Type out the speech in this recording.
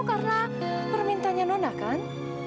karena permintanya nona kan